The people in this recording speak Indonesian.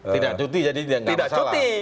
tidak cuti jadi tidak masalah